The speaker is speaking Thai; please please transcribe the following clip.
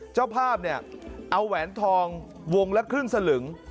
เจ้าภาพเนี่ยเอาแหวนทองวงละครึ่งสลึง